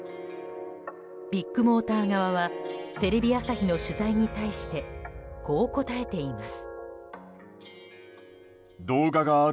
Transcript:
ビッグモーター側はテレビ朝日の取材に対してこう答えています。